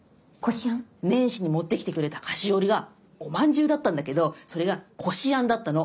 年始に持ってきてくれた菓子折がおまんじゅうだったんだけどそれがこしあんだったの。